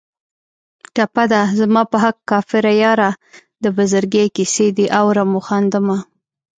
ټپه ده: زما په حق کافره یاره د بزرګۍ کیسې دې اورم و خاندمه